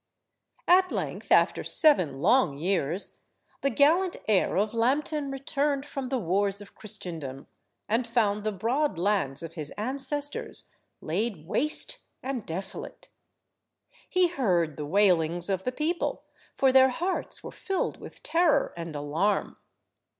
At length, after seven long years, the gallant heir of Lambton returned from the wars of Christendom, and found the broad lands of his ancestors laid waste and desolate. He heard the wailings of the people, for their hearts were filled with terror and alarm.